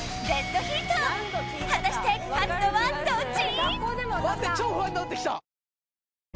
果たして勝つのはどっち？